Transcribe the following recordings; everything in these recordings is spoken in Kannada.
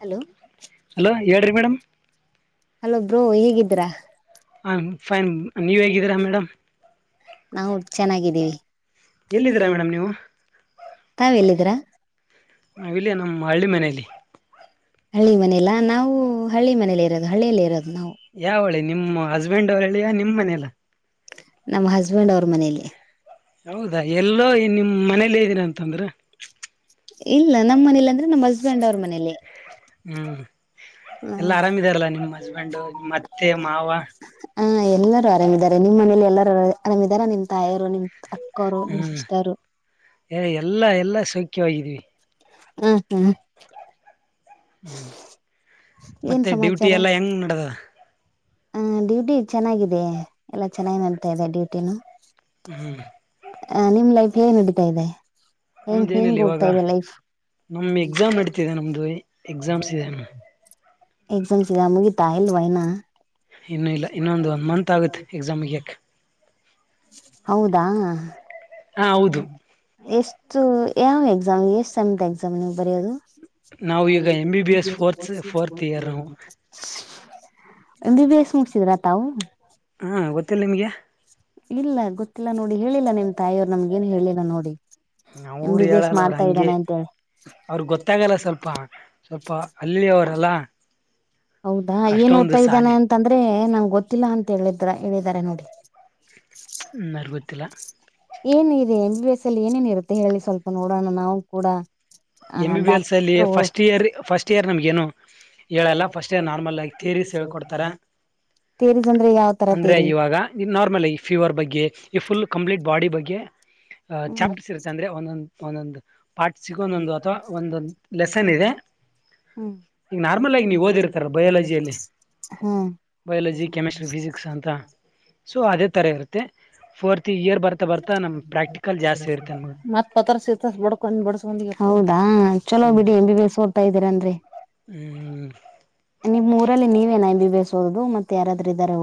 ಹಲೋ ಹಲೋ ಹೇಳ್ರಿ ಮೇಡಮ್ ಬ್ರೋ ಹೇಗಿದ್ರಾ ಐ ಆಮ್ ಫೈನ್ ನೀವ ಹೇಗಿದ್ದೀರಾ ಮೇಡಮ್ ನಾವು ಚೆನ್ನಾಗಿದ್ದೀವಿ ಎಲ್ಲಿದ್ದೀರಾ ಎಲ್ಲಿದಿರ ಮೇಡಮ್ ಮೇಡಂ ನೀವು? ತಾವೆಲ್ಲಿ ಇದ್ರಾ ನಾವ ಇಲ್ಲಿ ನಮ್ಮ ಹಳ್ಳಿ ಮನಲಿ ಹಳ್ಳಿ ಮನೇಲ್ಲಾ ನಾವು ಹಳ್ಳಿ ಮನೇಲಿ ಇರೋದು ಹಳ್ಳಿಯಲ್ಲ ಇರೋದು ನಾವು ಯಾವ ಹಳ್ಳಿ ನಿಮ್ಮ [unintelligible] ಹಸ್ಬೆಂಡ್ ಹುಸಬ್ಡ್ ಅವ್ರ ಹಳ್ಳಿಯ ಮನೇಲ ನಿಮ್ ನಿಮ್ಮ ಮನೇಲ ಮನೆಯಲ್ಲ ನಮ್ಮ ಹಸ್ಬೆಂಡ್ ಅವ್ರ ಮನೇಲಿ ಹೌದಾ ಎಲ್ಲೋ ನಿಮ್ ಮನೇಲಿ ಇದ್ದೀರ ಅಂತಂದ್ರು ಇಲ್ಲ ನಮ್ಮ್ ಮನೇಲಿ ಅಂದ್ರೆ ನಮ್ಮ್ ಹಸ್ಬೆಂಡ್ ಅವ್ರ ಮನೇಲಿ ಹ್ಮ್ ಎಲ್ಲಾ ಆರಾಮಿದಾರಲ್ಲ ನಿಮ್ಮ್ ಹಸ್ಬೆಂಡ್ ನಿಮ್ಮ್ ಅತ್ತೆ ಮಾವ ಹಾ ಎಲ್ಲರೂ ಆರಾಮಿದ್ದಾರೆ ನಿಮ್ಮ್ ಮನೇಲಿ ಎಲ್ಲರ ಆರಾಮ್ದಾರ ನಿಮ್ ತಾಯಿಯರು ನಿಮ್ ಅಕ್ಕವರು ನಿಮ್ ಹ್ಮ್ ಸಿಸ್ಟರು ಹೆ ಎಲ್ಲಾ ಎಲ್ಲಾ ಸೌಖ್ಯವಾಗಿದ್ದೀವಿ ಹ್ಮ ಹ್ಮ್ ಹ್ಮ್ ಏನ್ ಮತ್ತೆ ಡ್ಯೂಟಿ ಎಲ್ಲಾ ಹೆಂಗ್ ನಡದದ ಹ ಡ್ಯೂಟಿ ಚೆನ್ನಾಗಿದೆ ಎಲ್ಲ ಚೆನ್ನಾಗಿ ನಡ್ತ ಇದೆ ಡ್ಯು ತ್ತನು ಹ್ಮ್ ಆ ನಿಮ್ ಲೈಫ್ ಏನ್ ನಡೀತಾ ಇದೆ ಹೆಂಗ ನಮ್ದ ಏನಿಲ್ಲ ಹೆಂಗ್ ಇವಾಗ ಓಡ್ತಾ ಇದೆ ಲೈಫ್ ಎಕ್ಜಾಮ್ಸ್ ಇದೆ ಎಕ್ಸಾಮ್ಸ್ ಇದಾವ ಮುಗಿತಾ ಇಲ್ವ ಇನ್ನಾ ಇನ್ನುೂ ಇಲ್ಲ ಇನ್ನೊಂದು ಒಂದ್ ಮಂತ್ ಆಗುತ್ತೆ ಎಕ್ಸಾಮ್ ಮುಗಿಯಕ್ಕ ಹೌದಾ ಹೌದು ಎಷ್ಟ ಸು ಯಾವ್ ಎಕ್ಸಾಮ್ ಎಷ್ಟ ಸೇಮ್ ಎಕ್ಸಾಮ್ ನೀ ಬರೆಯೋದು ನಾವು ಈಗ M B B S fourth fourth year ನಾವು [inaudible] ಎಂ ಬಿ ಬಿ ಎಸ್ ಮುಗಸಿದ್ರ ತವು ಹಾ ಗೊತ್ತಿಲ್ಲ ನಿಮ್ಗೆ ಇಲ್ಲ ಗೊತ್ತಿಲ್ಲ ನೋಡಿ ಹೇಳಿಲ್ಲ ನಿಮ್ ತಾಯಿಯವರು ನಮ್ಗೇನು ಹೇಳಿಲ್ಲ ನೋಡಿ ಎಂ ಅವರು ಬಿ ಬಿ ಎಸ್ ಹೇಳಲ್ಲ ಅವ್ರ ಮಾಡ್ತಾ ಹಂಗೆ ಇದ್ದಾನೆ ಅಂತೇಳಿ ಅವ್ರ ಗೊತ್ತಾಗಲ್ಲ ಸ್ವಲ್ಪ ಸ್ವಲ್ಪ ಹಳ್ಳಿ ಅವರಲ್ಲ ಹೌದಾ ಏನ್ ಅಷ್ಟೊಂದು ಓದತಾ ಇದ್ದಾನೆ ಸಾಲಿ ಅಂತಂದ್ರೆ ನಂ ಗೊತ್ತಿಲ್ಲ ಅಂತ ತೆಗ್ಲಿದ್ರ ಹೇಳಿದ್ದಾರೆ ನೋಡಿ ನರ್ವತ್ತಲ್ಲ ಏನು ಇದೆ ಎಂ ಬಿ ಬಿ ಸ್ ಲ್ಲಿ ಏನೇನ ಇರುತ್ತೆ ಹೇಳಿ ಸ್ವಲ್ಪ ನೋಡೋಣ ನಾವು ಕೂಡ ಆ ಎಂ ಬಿ ಬಿ ಎಲ್ಸ್ ಅಲ್ಲಿ doctor first year first tear ನಮಗ ಏನು ಹೇಳಲ್ಲ ಫಸ್ಟ್ ಇಯರ್ ನಾರ್ಮಲ್ ಆಗಿ ತೇರಿಸ್ ಹೇಳ್ಕೊಡ್ತಾರ ತೇರೀಸ್ ಅಂದ್ರೆ ಯಾವ್ ತರ ಅಂದ್ರೆ ತೇರಿ ಇವಾಗ ನಾರ್ಮಲ್ ಆಗಿ ಫೀವರ್ ಬಗ್ಗೆ ಈ ಫುಲ್ ಕಂಪ್ಲೀಟ್ ಬಾಡಿ ಬಗ್ಗೆ ಆ ಹ್ಮ್ ಚಾಪ್ಟರ್ಸ್ ಇರುತ್ತೆ ಅಂದ್ರೆ ಒಂದೊ ಒಂದೊಂದು ಪಾರ್ಟ್ಸ್ ಸಿಗು ಒಂದು ಒಂದು ಒಂದೊಂದ್ ಲೆಸನ್ ಇದೆ ಹ್ಮ್ ಈಗ ನಾರ್ಮಲ್ ಆಗಿ ನೀವು ಓದಿರ್ತಾರೆ ಬಯಾಲಜಿಲ್ಲಿ ಹಾ ಬಯಾಲಜಿ ಕೆಮಿಸ್ಟ್ರಿ ಫಿಸಿಕ್ಸ್ ಅಂತ ಸೊ ಅದೇ ತರ ಇರುತ್ತೆ ಫೋರ್ತ್ ಇಯರ್ ಬರ್ತಾ ಬರ್ತಾ ನಮ್ ಪ್ರಾಕ್ಟಿಕಲ್ ಜಾಸ್ತಿ ಇರುತ್ತೆ ನಮ್ಗೆ ಮತ್ ಪತ್ರ ಸತ ಬಡ್ಕೊಂಡ ಬಡ್ಸ್ಕ ಹೌದ ಹಾ ಚಲೋ ಬಿಡಿ ಎಂ ಬಿ ಬಿ ಏಸ್ ತ ಇದೀರನ್ರಿ [unintelligible] ಹ್ಮ ನಿಮ್ ಊರಲ್ಲಿ ನೀವೇನ ಎಂ ಬಿ ಬಿ ಎಸ್ ಓದದು ಮತ್ತೆ ಯಾರಾದ್ರ ಇದಾರ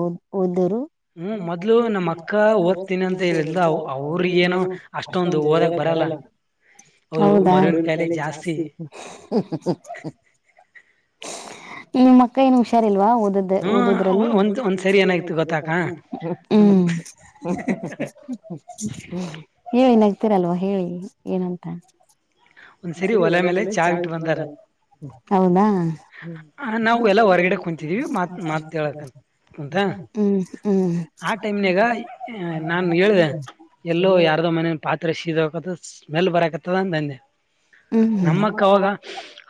ಒದ್ದವ್ರು ಮೊದ್ಲು ಹ್ಮ್ ಮೊದ್ಲು ನಮ್ಮ ನಮ್ಮ್ ಅಕ್ಕ ಓದ್ತೀನಿ ಹೋಗ್ತೀನಿ ಅಂತ ಹೇಳಿದ್ಲು ಅವ್ರಿಗ ಏನೋ ಅವರಿಗೇನು ಅಷ್ಟೊಂದು ಓದಕ್ ಹಓದಕ್ ಬರಲ್ಲ ಅವರು ಮರುವಿನ ಮಾರವಿನ ಕಾಯಿಲೆ ಕಾಯಲೆ ಜಾಸ್ತಿ ನಿಮ್ಮ್ ಅಕ್ಕ ಏನು ಹುಷಾರಿಲ್ವಾ ಓದ ಹ್ಮ್ ಓದುದ್ರಲ್ಲಿ ಒಂದ್ ಒಂದ್ಸರಿ ಒಂದ್ಸಾರಿ ಏನಾಯ್ತು ಏನಾಯಿತು ಗೊತ್ತಾಕ ಗೊತ್ತಕ ಹ್ಮನ ಒಂದ್ ಹ್ಮ್ ಹ್ಮ್ ಹೇಳು ಏನಾಯಿತು ತ್ತರಲ್ವಾ ಹೇಳಿ ಏನಂತ ಒಂದ್ ಸರಿ ಒಲೆ ಮೇಲೆ ಚಾ ಇಟ್ಟ ಬಂದಾರ ಹೌದಾ [unintelligible] ನಾವು ಎಲ್ಲಾ ಹೊರಗಡೆ ಕುಂತಿದೀವಿ ಮಾತ್ ಮಾತ್ ಹೇಳಕಂತ ಕುಂತ ಹ್ಮ ಆ ಟೈಮ್ನಾಗ ನಾನ್ ಹೇಳ್ದೆ ಎಲ್ಲೋ ಯಾರದೋ ಮನೆ ಪಾತ್ರೆ ಸೀದಕ ಸ್ಮೆಲ್ ಬರಕ್ ಕೆತ್ತದ ಅಂದ್ಯ. ಹ್ಮ ನಮ್ಮಕ್ಕ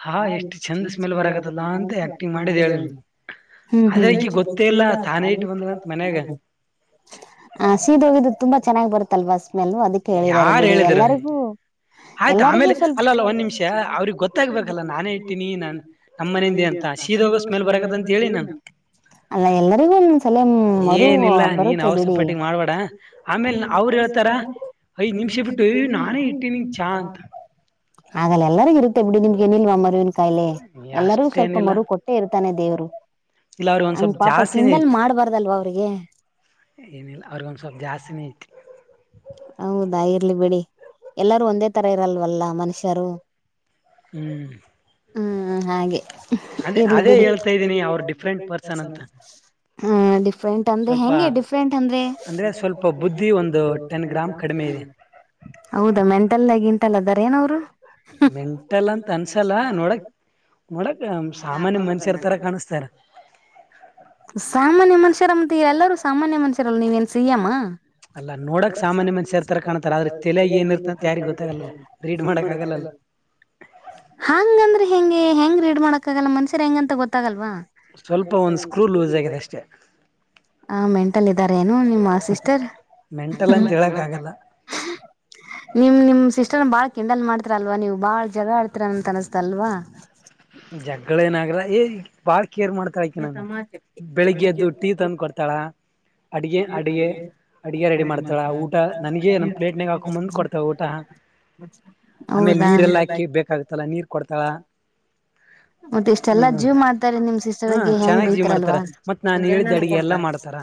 ಹಾ ಆ ಎಷ್ಟು ಚಂದ ಸ್ಮೆಲ್ ಚಂದ ಬರ ಬರಕತ್ತಲ್ಲ ಅಂತ ನಂತ ಆಕ್ಟಿಂಗ್ ಮಾಡಿದ್ ಮಾಡಿದ್ದ ಹೇಳ ಹೇಳಿದ್ರು ಆದ್ರೆ ಆದ್ರ ಈಕಿ ಅಕಿಗ್ ಗೊತ್ತೇ ಗೊತ್ತೆ ಇಲ್ಲ ಇಲ್ಲಾ ತಾನೇ ಇಟ್ಟು ಬಂದಳಂತ ಮನ್ಯಾಗ [unintelligible] ಹ ಸೀದ ಹೋಗಿದ್ದು ತುಂಬಾ ಚೆನ್ನಾಗಿ ಬರುತ್ತಲ್ವಾಸ್ ಮೇಲ್ ಅದಕ್ಕೆ ಹೇಳಿದಿದಾರೆ ಬಿಡಿ ಎಲ್ಲಾರಿಗೂ. ಹಾಯ್ತ ಆಮೇಲೆ ಅಲ್ ಗೊತ್ತ ಇಟ್ಟಿನಿ ನಾನ್ ನಮ್ಮ ಮನಿಂದ ಮನೀ ಅಂತ ಸೀದೋಗ ಸ್ಮೆಲ್ ಸ್ಮಲ್ ಬರಕತ್ ಅಂತ ಹೇಳಿ ಬರಂತಿ ನಾನು ನ ಅಲ್ಲ ಎಲ್ಲರಿಗೂ ಒಂದ್ಸಲ ಮರು ಏನಿಲ್ಲ ನೀನ್ ಬರುತ್ತೆ ಅವ್ರ ಬಿಡಿ ಸಪಟ್ಟಿಗೆ ಮಾಡ್ಬೇಡ ಆಮೇಲೆ ಅವ್ರು ಹೇಳ್ತಾರ ಹಾ ಅಂತ ಹಾಗಲ್ಲಾ ಎಲ್ಲರಿಗ ಇರುತ್ತೆ ಇ ಬಿಡಿ ನಿಮ್ಗೆನಿಲ್ವಾ ಮರವ ಕಾಯಿಲೆ ಎಲ್ಲರೂ ಸ್ವಲ್ಪ ಮರು ಕೊಟ್ಟೆ ಇರ ತಾನೆ ದೇವ್ರು. ಇಲ್ಲಾ ಅವ್ರಿಗ ಒಂದ್ ಹಂಗ ಸ್ವಲ್ಪ ಪಾಪ ಜಾಸ್ತಿನ ಕಿಂಡಲ್ ಐತ ಮಾಡ್ಬಾರ್ದಲ್ವಾ ಅವ್ರಿಗೆ ಏನಿಲ್ಲಾ ಅವ್ರಿಗ ಒಂದ್ ಸ್ವಲ್ಪ ಜಾಸ್ತಿನ ಐತ. ಹೌದಾ ಇರ್ಲಿ ಬಿಡಿ ಎಲ್ಲಾರೂ ಒಂದೇ ತರ ಇರಲ್ವಲ್ಲ ಮನಷ್ಯರು. ಹ್ಮ್ ಹ್ಮ್ ಹಾಗೆ ಅದೇ ಇರ್ಲಿ ಅದೇ ಬಿಡಿ. ಹೇಳ್ತಾ ಇದ್ದೀನಿ ಅವ್ರ ಡಿಫ್ರೆಂಟ್ ಪರ್ಸನ್ ಅಂತ ಹಾ ಡಿಫ ಫ್ರೆಂಟ್ ಅಂದ್ರೆ ಸ್ವಲ್ಪ ಹೆಂಗೆ ಡಿಫ್ರೆಂಟ್ ಅಂದ್ರೆ. ಸ್ವಲ್ಪ ಬುದ್ಧಿ ಒಂದು ಟೆನ್ ಗ್ರಾಮ್ ಕಡಿಮೆ ಇದೆ ಹೌದಾ ಮೆಂಟಲ್ ಆಗಿನ್ ಟ್ಟಲ್ಲ ಅದಾರ ಏನವ್ರು. ಮೆಂಟಲ್ ಅಂತ [unintelligible] ಅನ್ಸಲ್ಲ ನೋಡಕ್ ನೋಡಕ್ ಸಾಮಾನ್ಯ ಮನುಷ್ಯರ ತರ ಕಾಣಿಸ್ತಾರ ಸಾಮಾನ್ಯ ಮನುಷ್ಯರ ಮತ್ತೆ ಎಲ್ಲರೂ ಸಾಮಾನ್ಯ ಮನಸ್ [unintelligible] ಸಿಯಾಮ ಅಲ್ಲ ನೋಡಕ್ ಸಾಮಾನ್ಯ ಮನುಷ್ಯರ ತರ ಮನುಷ್ಯತರ ಕಾಣ್ತಾರ ಕಾಣುತ್ತಾರೆ ಆದ್ರೆ ಆದರೆ ತಲೆಯಾಗ ತಲೆಯಲ್ಲಿ ಏನಿರ್ತ ಏನಿರುತ್ತೆ ಅಂತ ಯಾರಿಗ್ ಗೊತ್ತಾಗಲ್ಲಲ್ಲ ರೀಡ್ ಮಾಡಕ್ ಆಗಲ್ಲಲ್ಲ ಯಾರಿಗೊತ್ತು [unintelligible] ಹಗಂದ್ರೆ ಹೆಂಗೇ ಹ ಹೆಂಗ್ ರೀಡ್ ಮಾಡಕಕ್ಕಾಗಲ್ಲ ಮನ್ಶ್ಯಾರ್ ಹೆಂಗಂತ ಗೊತ್ತಾಗಲ್ವಾ. ಸ್ವಲ್ಪ ಒಂದ್ ಸ್ಕ್ರೂ ಲೂಸ್ ಆಗಿದೆ ಅಷ್ಟೇ ಆ ಮೆಂಟಲ್ ಇದಾರೆ ಏನು ನಿಮ್ಮ ಸಿಸ್ಟರ್. ಮೆಂಟಲ್ ಅಂತ ನಿಮ್ ಹೇಳಕ್ ಆಗಲ್ಲ ನಿಮ್ ನಿಮ್ ಸಿಸ್ಟರ್ ಬಾಳ್ ಕೆಿಂಡಲ್ ಮಾಡ್ತರಲ್ವ ನೀವು ಬಾಳ್ ಜಗಳ್ ಆಡ್ತರ ಅಂತ ಅನಸ್ತಲ್ವಾ. ಬಾಯ ಕೇರ್ ಮಾಡ್ತಾಳ ಈಕ ನ ಬೆಳಿಗ್ಗೆ ಎದ್ದು ಟೀ ತಂದು ಕೊಡ್ತಾಳ ಅಡಗೆ ಅಡಗೆ ಅಡಗೆ ರೆಡಿ ಮಾಡ್ತಾಳ ಊಟ ನನಗ ನಮ್ಮ ಪ್ಲೇಟ್ನಾಗ ಹಾಕೊಂಡ ಬಂದ ಕೊಡ್ತಳ ಊಟ ಆಮೇಲೆ ಹೌದಾ ನೀರೆಲ್ಲ ಹಾಕಿ ಬೇಕಾಗತಲ್ಲ ನೀರ್ ಕೊಡ್ತಾಳ ಮತ್ತೆ ಇಷ್ಟ ಎಲ್ಲ ಹ್ಮ್ ಜೀವ್ ಮಾಡ್ತಾರೆನ್ - ಹಾ ಚೆನ್ನಾಗ್ ಜೀವ್ ಮಾಡ್ತಾರ ಮತ್ತ್ ನಾನ್ ಹೇಳಿದ್ದ ಅಡ್ಗೆ ಎಲ್ಲಾ ಮಾಡ್ತಾರ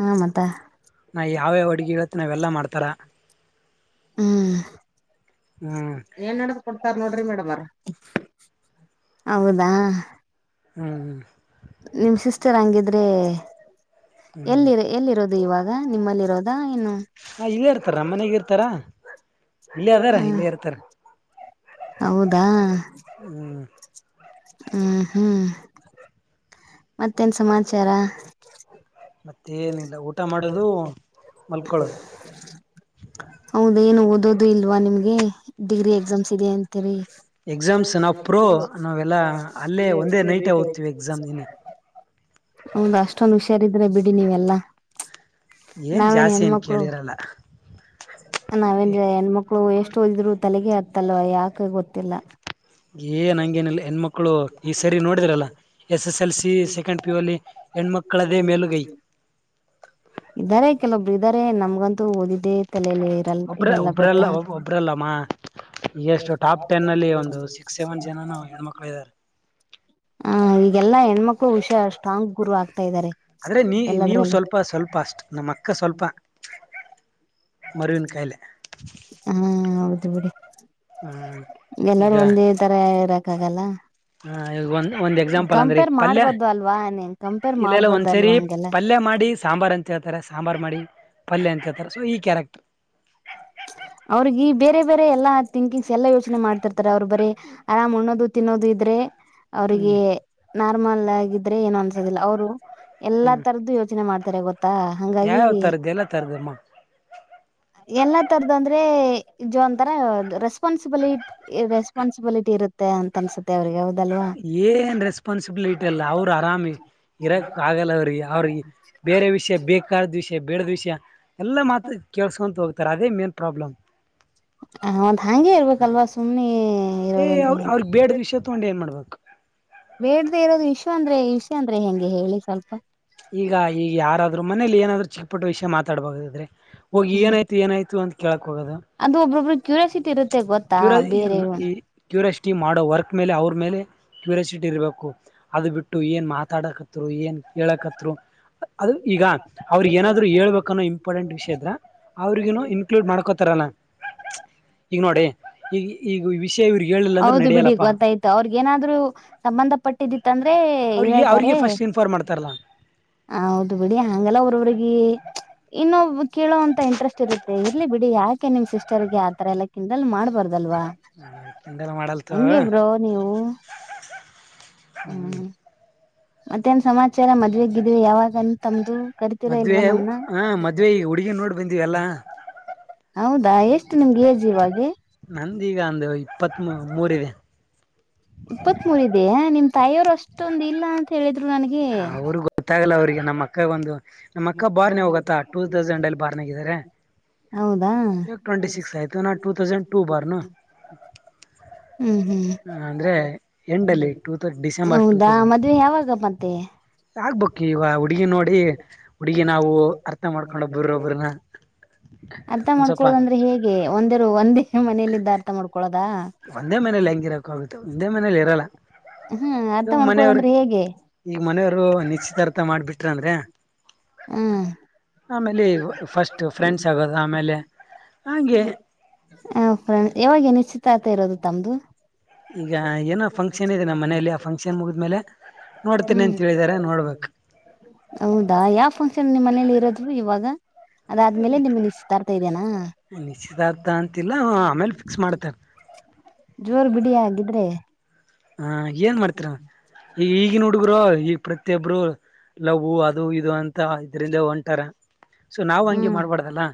ಹ ಮತ್ತ ನಾ ಯಾವ್ಯಾವ ಅಡ್ಗೆ ಹೇಳತ್ತ ನಾವೆಲ್ಲಾ ಮಾಡ್ ತರ ಹ್ಮ್ ಹ್ಮ್ ಏನ್ ನಡಕ್ ಕೊಡ್ತಾರ ನೋಡ್ರಿ ಮೇಡಮ್ ಹೌದಾ ಹ್ಮ್ ನಿಮ್ ಸಿಸ್ಟರ್ ಹಂಗಿದ್ದ. ಅದೇ ಎಲ್ಲಿರ ಎಲ್ಲಿರೋದು ಇವಾಗ ನಿಮ್ಮಲ್ಲಿರೋದ್ ಹಾ ಇಲ್ಲೇ ಇರ್ತಾರೆಮ್ಮ ಮನೆಗ ಇರ್ ತ್ತರ ಹ್ಮ ಹೌದಾ ಹ್ಮ್ ಹ್ಮ ಹ್ಮ್ ಮತ್ತೇನ್ ಸಮಾಚಾರ ಏನಿಲ್ಲ ಊಟ ಮಾಡೋದು ಮಲ್ಕೊಳೋದು [unintelligible] ಹೌದೇನು ಓದೋದು ಇಲ್ವಾ ನಿಮ್ಗೆ ಡಿಗ್ರಿ ಎಕ್ಸಾಮ್ಸ್ ಇದೆ ಅಂತೀರಿ ಎಕ್ಸಾಮ್ಸ್ ನಾ ಪ್ರೋ ನಾವೆಲ್ಲಾ ಅಲ್ಲೇ ಒಂದೇ ನೈಟ್ ಹೋಗ್ತೀವಿ ಎಕ್ಸಾಮ್ ನಿನ್ನೆ. ಹೌದ ಅಷ್ಟೊಂದು ಹುಷಾರಿದ್ರೆ ಬಿಡಿ ನೀವೆಲ್ಲಾ. ಏನ್ ನಾವೇನ್ ಜಾಸ್ತಿ ಏನ್ ಹೆಣ್ಮಕ್ಳು ಕೇಳಿರಲ್ಲ ನಾವೇನ್ ಹೆಣ್ಮಕ್ಳು ಎಷ್ಟು ಓದಿದ್ರು ತಲೆಗೆ ಆತ್ತಲ್ವ ಯಾಕ ಗೊತ್ತಿಲ್ಲ. ಏನ್ ನಂಗಗೆನಿಲ್ಲ ಹೆಣ್ಮಕ್ಕ. ಕ್ಕಳು ಈ ಸರಿ ನೋಡಿದ್ರಲ್ಲ S. S S L C second ಪು ಅಲ್ಲಿ ಹೆಣ್ಮಕ್ಕಳದೇ ಮೇಲುಗೈ. ಬಂತು ಓದೀ. ಇದೇ ತಲೆಯಲ್ಲಿ ಇರಲ್ಲ ಒಬ್ರ ಇರಲ್ಲ ಗೊತ್ತ ಒಬ್ರಲ್ಲ ಒಬ್ರಲ್ಲಮ್ಮ [unintelligible] ಎಷ್ಟು ಟಾಪ್ ಟೆನ್ ಅಲ್ಲಿ ಒಂದು ಸಿಕ್ಸ್ ಸೆವೆನ್ ಜನನು ಹೆಣ್ಮಕ್ಳು ಇದ್ದಾರೆ ಹ ಈಗೆಲ್ಲಾ ಹೆಣ್ಮಕ್ ಕೊ ವಿಷಯ ಅ ಸ್ಟ್ರಾಂಗ್ ಗುರು ಆಗ್ ಇದ್ದಾರೆ ಆದ್ರೆ ನೀ ನೀವು ಎಲ್ಲದ್ರಲ್ಲೂ. ಸ್ವಲ್ಪ ಸ್ವಲ್ಪ ಅಷ್ಟ್ ನಮ್ಮ ಅಕ್ಕ ಸ್ವಲ್ಪ. ಮರುವಿನ ಕಾಯಿಲೆ ಹಾ ಹೌದು ಬಿಡಿ ಹ್ಮ್ ಎಲ್ಲಾರೂ ಒಂದೇ ತರ ಇರಾಕ್ ಕ್ಕಾಗಲ್ಲ ಹ ಈ ಒಂದ್ ಒಂದ್ ಎಕ್ಸಾಂಪಲ್ ಅಂದ್ರ ಈಗ ಪಲ್ಯ ಮಾಡ್ಬಾರ್ದು ಅಲ್ವಾ ನೀನ್ ಕಂಪೇರ್ ಇಲ್ಲಲ್ಲ ಒಂದ್ಸರಿ ಮಾಡ್ಬಾರ್ದಲ್ವಾ ಹಂಗೆಲ್ಲ ಪಲ್ಯ ಮಾಡಿ ಸಾಂಬಾರ್ ಅಂತ ಹೇಳ್ ಸಾಂಬಾರ್ ಮಾಡಿ ಪಲ್ಯ ಅಂತ ಹೇಳ್ತಾರ ಸೊ ಈ ಕ್ಯಾರೆಕ್ಟರ್. ಅವ್ರಗಿ ಈ ಬೇರೆ ಬೇರೆ ಎಲ್ಲಾ ತಿಿಂಕಿಂಗ್ಸ್ ಎಲ್ಲಾ ಯೋಚನೆ ಮಾಡ್ತಿರ್ತಾರೆ ಅವ್ರು ಬರೀ ಆರಾಮ್ ಉಣ್ಣೋದು ತಿನ್ನೋದು ಇದ್ರೆ. ಅವ್ರಿಗೆ ಹ್ಮ್ ನಾರ್ಮಲ್ ಆಗಿದ್ರೆ ಏನು ಅನ್ಸೋದಿಲ್ಲ ಅವ್ರು. ಎಲ್ಲಾ ತರದ್ದು ಯೋಚನೆ ಮಾಡ್ ತರೆ ಗೊತ್ ಯಾವ ತರ್ದ ಎಲ್ಲ ತರದಮ್ಮ. ಎಲ್ಲಾ ತರದ ಅಂದ್ರೆ ಜ ಒಂತರ ರೆಸ್ಪಾನ್ಸಿಬಿಲಿ ರೆಸ್ಪಾನ್ಸಿಬಿಲಿಟಿ ಇರುತ್ತೆ ಅಂತ ಅನ್ಸುತ್ತೆ ಅವ್ರಿಗೆ. ಹೌದಲ್ವಾ ಏನ್ ರೆಸ್ಪಾನ್ಸಿಬಿಲಿಟಿ ಅಲ್ಲ ಅವರು ಆರಾಮಿ ಇರಕ್ ಆಗಲ್ಲ ಅವ್ರಿಗೆ ಅವ್ರ ಬೇರೆ ವಿಷಯ ಬೇಕಾದ ವಿಷ್ ಬೇಡದ ವಿಷಯ ಎಲ್ಲಾ ಮಾತ ಕೇಳಸ್ಕೊಂತು ಹೋಗ್ ಅದೇ ಮೇನ್ ಪ್ರಾಬ್ಲಮ್. ಹ ಒಂದು ಹಂಗೆ ಇರ್ಬೇಕಲ್ವಾ ಸುಮ್ನೆ ಏ ಇರೋದಂದ ಅವ್ರ ಹೆಗೆ. ಅವ್ರಗ್ ಬೇಡದ ವಿಷಯ [inaudible] ಬೇಡ್ದ ಇರೋದು ವಿಷ ಅಂದ್ರೆ ವಿಷ ಅಂದ್ರೆ ಹೆಂಗೆ ಹೇಳಿ ಸ್ವಲ್ಪ. ಈಗ ಈ ಯಾರಾದ್ ಅದ್ರ ಮನೆಯಲ್ಲಿ ಏನಾದ್ರು ಚಟ್ ಪಟ್ ವಿಷಯ ಮಾತಾಡ್ಬೇಕಂದ್ರೆ. ಹೋಗಿ ಏನಾಯ್ತು ಏನಾಯ್ತು ಅಂತ್ ಅದು ಒಬ್ಬಬ್ಬರು ಕ್ಯೂರಿಯಾಸಿಟಿ ಇರುತ್ತೆ. ಗೊತ್ತಾ ಕ್ಯೂರ ಬೇರೆ ಎನ್ ಇ ಕ್ಯೂರಾಸಿಟಿ ಮಾಡೋ ವರ್ಕ್. ಮೇಲೆ ಅವ್ರ ಮೇಲೆ ಕ್ಯೂರಿಯಾಸಿಟಿ ಇರಬೇಕು ಅದು ಬಿಟ್ಟು ಏನ್ ಮಾತಾಡಕತ್ರು ಏನ್ ಹೇಳಕತ್ರು ಅದು ಈಗ ಅವ್ರಗ್ ಏನಾದ್ರು ಹೇಳ್ಬೇಕನ್ನೋ ಇಂಪಾರ್ಟೆಂಟ್ ವಿಷಯ ಇದ್ರ ಅವ್ರಿಗ ಇನ್ಕ್ಲೂಡ್ ಮಾಡ್ಕೋತಾರನ ಈಗ ನೋಡಿ. ಎ ಎ ವಿವಿ. ಔದು ಬಿಡಿ ಗೊತ್ತಾಯ್ತು ಅವ್ರಿಗ ಏನಾದ್ರು ಸಂಬಂಧ ಪಟ್ಟಿದಿತ್ತ ಅಂದ್ ಅವ್ರಿಗೆ ಅವ್ರಿಗೆ ಫಸ್ಟ್ ಇನ್ಫಾರ್ಮ್ ಮಾಡ್ತಾರಲ್ಲಾ. ಹೌದು ಬಿಡಿ ಹಂಗೆಲ್ಲಾ ಅವ್ರವ್ರಿಗೆ ಇನ್ನೊಬ್ ಕೇಳೋಂತ ಇಂಟ್ರೆಸ್ಟ್ ಇರುತ್ತೆ ಇರ್ಲಿ ಬಿಡಿ ಯಾಕೆ ನಿಮ್ ಸಿಸ್ಟರ್ಗೆ ಆತರ ಎಲ್ಲ ಕಿಂದಲ್ಲ ಮಾಡ್ಬ ಬಾರ್ದ ಅಲ್ವಾ ಕೆಂಡಲ ಮಾಡಲ್ತ ಹೆಂಗ ಬ್ರೋ ನೀವು ಹ್ಮ್. ಮತ್ತೇನ್ ಸಮಾಚಾರ ಮದ್ವಿಗಿದ್ವಿ ಯಾವಾಗ ಅಂತಮ್ದು. ಮದ್ವೆ ಹ ಮದ್ವೆ ಈಗ ಹುಡುಗಿನ್ ನೋಡ್ ಬಂದಿವ ಎಲ್ಲಾ ಹೌದಾ ಎಷ್ಟು ನಿಮ್ಗೆ ಏಜ್ ಇವಾಗೆ ನಂದೀಗ ಅಂದ ಹೊಯ್ ಇಪ್ಪತ್ತ್ ಮೂರಿದೆ. ಇಪ್ಪತ್ತ್ ಮೂರ ಇದೆಯೇ ನಿಮ್ ತಾಯಿಯವರು ಅಷ್ಟೊಂದ ಇಲ್ಲಾ ಅಂತ ಹೇಳಿದ್ರು ನನಗೆ ಅವ್ರಗ್ ಗೊತ್ತಾಗಲ್ಲ ಅವ್ರಿಗೆ ನಮ್ಮ ಅಕ್ಕಗ್ ಒಂದು. ನಮ್ಮ ಅಕ್ಕ ಬಾರ್ನೆ ಹೋಗತ್ತಾ ಟೂ ತೌಸಂಡ್ ಅಲ್ಲಿ ಬಾರ್ನಾಗಿದ್ದಾರೆ ಹೌದಾ ಇವಾಗ ಟ್ವೆಂಟಿ ಸಿಕ್ಸ್ ಆಯ್ತು ನಾ ಟೂ ತೌಸಂಡ್ ಟೂ ಬಾರ್ನು ಹ್ಮ್ ಹ್ಮ್ ಅಂದ್ರೆ ಎಂಡ್ ಅಲ್ಲಿ ಟೂ ಹೌದಾ ಮದ್ವೆ ಯಾವಾಗ ಮತ್ತೆ ಆಗ್ಬಕ್ಕಿವಾ ಹುಡುಗಿ ನೋಡಿ ಹುಡುಗಿ ನಾವು ಅರ್ಥ ಮಾಡ್ಕೊಂಡಬ್ಬರೊಬ್ಬ್ರನ್ನ. ಅರ್ಥ ಮಾಡ್ಕೊಳೋದಂದ್ರೆ ಹೇಗೆ ಒಂದೇರು ಒಂದೇ ಮನೆಯಲ್ಲಿದ್ದ ಅರ್ಥ ಮಾಡ್ಕೊಳೋದಾ ಒಂದೇ ಮನಲಿ ಹೆಂಗಿರಕ ಆೋಗುತ್ತೆ ಒಂದೇ ಮನೇಲಿ ಇರಲ್ಲ ಹಾ ಅರ್ಥ ಇವಾಗ ಮನೆಯವರು ಮಾಡ್ಕೊಳೋದಂದ್ರೆ ಹೇಗೆ ಈಗ ಮನೆಯವರು ನಿಶ್ಚಿತಾರ್ಥ ಮಾಡ್ಬಿಟ್ರ ಅಂದ್ರೆ. ಹ್ಮ ಆಮೇಲೆ ಫಸ್ಟ್ ಫ್ರೆಂಡ್ಸ್ ಆಗೋದು ಆಮೇಲೆ ಹಂಗೆ ಹ ಫ್ರಂಡ್ ಯಾವಾಗ ನಿಶ್ಚಿತಾರ್ತ್ ಇರೋದು ತಮ್ದು ಈಗ ಏನೋ ಫಂಕ್ಷನ್ ಇದೆ ನಮ್ಮ ಮನೆಯಲ್ಲಿ ಆ ಫಂಕ್ಷನ್ ಮುಗಿದ್ಮೇಲೆ ನೋಡ್ತೀನಿ ಅಂತ ಹ್ಮ ಹೇಳಿದಾರೆ ನೋಡ್ಬೇಕು ಹೌದಾ ಯಾ ನಿಮ್ಮ ಮನಲಿ ಇರೋದು ಇವಾಗಾ. ಅದಾದ್ಮೇಲೆ ನಿಮ್ ನಿಶ್ಚಿತಾರ್ತಾ ಇದೇನಾ. ನಿಶ್ಚಿತಾರ್ಥ ಅಂತಿಲ್ಲ ಆಮೇಲೆ ಫಿಕ್ಸ್ ಮಾಡ್ತಾರ ಜೋರ್ ಬಿಡಿ ಆಗಿದ್ರೆ. ಹ ಏನ್ ಮಾಡ್ತೀರಾ ರ ಈ ಈಗಿನ ಹುಡ್ಗರು ಈಗ ಪ್ರತಿಯೊಬ್ರು ಲವು ಅದು ಇದು ಅಂತ ಇದರಿಂದ ಹೊಂಟಾರ ಸೊ ನಾವು ಹಂಗೆ ಹ್ಮ್ ಮಾಡ್ಬಾರ್ದಲ್ಲಾ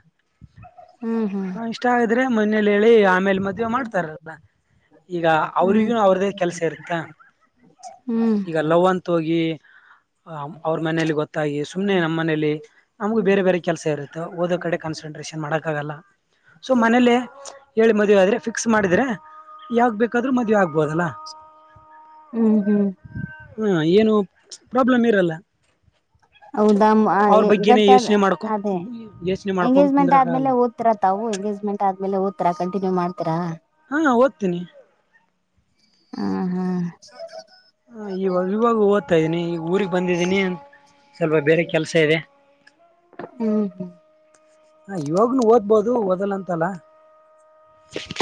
ಹ್ಮ್ ಹ್ಮ್ ಇಷ್ಟ ಆದ್ರೆ ಮನೇಲಿ ಹೇಳಿ ಆಮೇಲೆ. ಮದುವೆ ಮಾಡ್ತಾರಲ್ಲಾ ಈಗ ಹ್ಮ್ ಅವ್ರಿಗು ಅವ್ರ್ದೇ ಕೆಲ್ಸ ಇರುತ್ತಾ ಹ್ಮ್ ಈಗ ಲವ್ ಅಂತ ಹೋಗಿ. ಅವ್ರ ಮನೇಲಿ ಗೊತ್ತಾಗಿ ಸುಮ್ನೆ ನಮ್ಮಲಿ ನಮ್ಗು ಬೇರೆ ಬೇರೆ ಕೆಲ್ಸ ಇರುತ್ತೆ ಓದೋ ಕಡೆ ಕಾನ್ಸಂಟ್ರೇಷನ್ ಮಾಡಕ ಆಗಲ್ಲ ಸೊ ಮನೇಲೆ. ಹೇಳಿ ಮದುವೆ ಆದ್ರೆ ಫಿಕ್ಸ್ ಮಾಡಿದ್ರೆ ಯಾವಾಗ ಬೇಕಾದ್ರು ಮದ್ವೆ ಆಗ್ಬೋದಲ್ಲಾ. ಹ್ಮ್ ಹ್ಮ್ ಹಾ ಏನು ಪ್ರಾಬ್ಲಮ್ ಇರಲ್ಲಾ. ಔದ ಅಮ್ ಆ ಏ ಗಟ್ಟಿ ಆದ ಮಾಡ್ಕೊ ಅದೇ. ಯೋಚನೆ ಮಾಡ್ಕೊಂಡ್ ಎಂಗೇಜ್ಮೆಂಟ್ ಕುಂದ್ರಕ್ಕಾಗಲ್ಲ ಆದ್ಮೇಲೆ ಓದತಿರಾ ತಾವು ಎಂಗೇಜ್ಮೆಂಟ್ ಆದ್ಮೇಲೆ. ಕುತ್ರಾ ಕಂಟಿನ್ಯೂ ಮಾಡ್ತರಾ. ಹಾ ಓದ್ತೀನಿ ಹಾ ಹಾ ಆ ಇವಾಗ ಇವಾಗ ಓದ್ತಾ ಇದ್ದೀನಿ ಈಗ್ ಊರಿಗ್ ಬಂದಿದ್ದೀನಿ ಸ್ವಲ್ಪ ಬೇರೆ ಕೆಲ್ಸ ಇದೆ. ಹ್ಮ್ ಹ್ಮ್ ಹ ಇವಾಗನು ಓದ್ಬೋದು ಓದಲ್ಲ ಅಂತಲ್ಲಾ. [inaudible]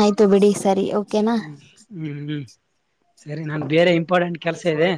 ಆಯ್ತು ಬಿಡಿ ಸರಿ ಒ ಹ್ಮ್ ಹ್ಮ್ ಹ್ಮ್ ಸರಿ ನಾನ್ ಬೇರೆ ಇಂಪಾರ್ಟೆಂಟ್ ಕೆಲ್ಸ ಇದೆ.